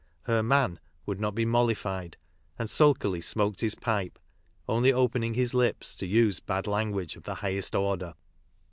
Her "man" would not be nioliiiud, and sulkily smoked his pipe, only opening his lips to use bad language of the highest order.